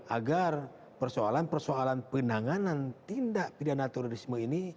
agar persoalan persoalan penanganan tindak pidana terorisme ini